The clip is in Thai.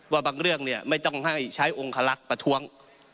ว่าบางเรื่องไม่ต้องให้ใช้องคลักษณ์ประท้วง